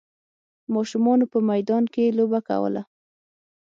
ماشومانو په میدان کې لوبه کوله.